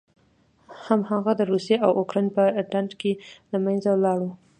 هغه هم د روسیې او اوکراین په ډنډ کې له منځه لاړه.